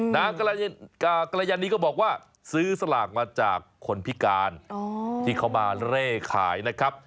นางกรยันนี้ก็บอกว่าซื้อสลากมาจากคนพิการที่เขามาเร่ขายนะครับ